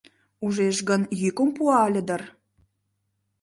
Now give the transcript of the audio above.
Ужеш гын, йӱкым пуа ыле дыр.